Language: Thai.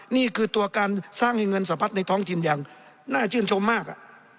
นี่คือตัวการสร้างให้เงินสะพัดในท้องถิ่นอย่างน่าชื่นชมมาก